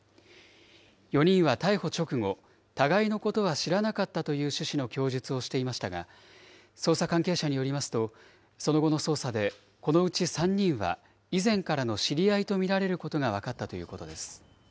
４人は逮捕直後、互いのことは知らなかったという趣旨の供述をしていましたが、捜査関係者によりますと、その後の捜査でこのうち３人は以前からの知り合いと見られることが分かったということです。